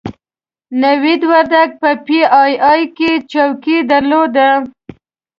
نوید وردګ په پي ای اې کې چوکۍ درلوده.